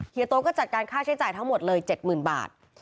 โต๊ก็จัดการค่าใช้จ่ายทั้งหมดเลย๗๐๐บาท